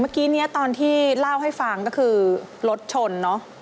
เมื่อกี้นี้ตอนที่เล่าให้ฟังก็คือรถชนเนอะ